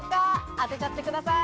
当てちゃってください。